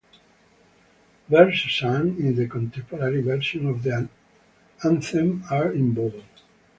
Verses sung in the contemporary version of the anthem are in bold.